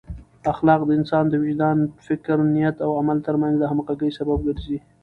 اخلاق د انسان د وجدان، فکر، نیت او عمل ترمنځ د همغږۍ سبب ګرځي.